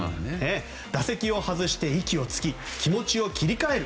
打席を外して息をつき気持ちを切り替える。